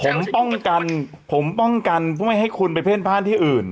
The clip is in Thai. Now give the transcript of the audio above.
ผมป้องกันผมป้องกันเพื่อไม่ให้คุณไปเพ่นพ่านที่อื่น